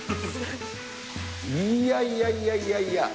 いやいやいやいや。